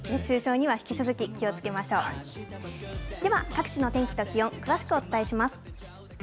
では各地のお天気と気温、詳しくお伝えします。